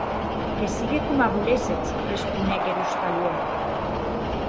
Que sigue coma voléssetz, responec er ostalièr.